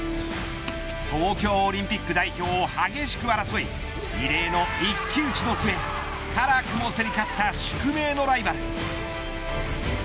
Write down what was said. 東京オリンピック代表を激しく争い異例の一騎打ちの末辛くも競り勝った宿命のライバル。